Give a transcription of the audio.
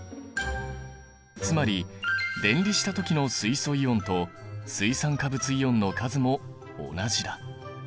つまり電離した時の水素イオンと水酸化物イオンの数も同じだ。